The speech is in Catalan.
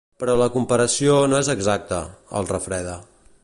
Però la comparació no és exacta —el refreda—.